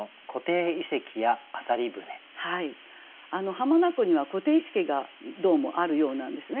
浜名湖には湖底遺跡がどうもあるようなんですね。